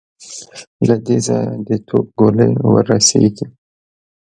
له دې ځايه د توپ ګولۍ ور رسېږي.